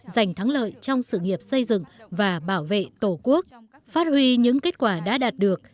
giành thắng lợi trong sự nghiệp xây dựng và bảo vệ tổ quốc phát huy những kết quả đã đạt được